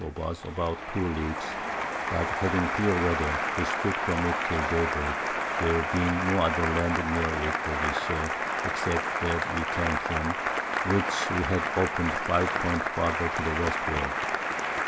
of us about 2 Leagues; but having clear Weather, we stood from it till Day break, there being no other Land near it that we saw, except that we came from, which we had open'd 5 Points farther to the Westward.